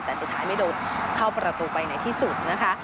แต่สุดท้ายไม่โดนเข้าประตูไปไหนที่สุดนะคะ